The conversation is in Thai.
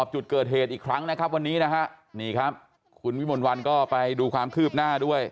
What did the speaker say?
ถูกยิงเข้ามาในร้านนะ